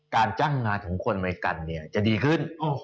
การจ้างงานของคนอเมริกันจะดีขึ้น